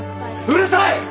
うるさい！